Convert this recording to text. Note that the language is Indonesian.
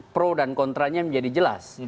pro dan kontranya menjadi jelas